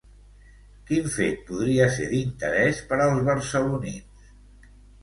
Quin fet podria ser d'interès per als barcelonins?